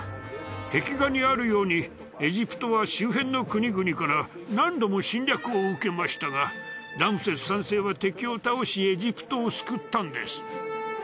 壁画にあるようにエジプトは周辺の国々から何度も侵略を受けましたがラムセス３世は敵を倒しエジプトを救ったんです。